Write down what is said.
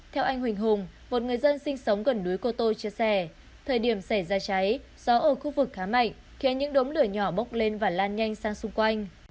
theo anh huỳnh hùng một người dân sinh sống gần núi cô tô chia sẻ thời điểm xảy ra cháy gió ở khu vực khá mạnh khiến những đốm lửa nhỏ bốc lên và lan nhanh sang xung quanh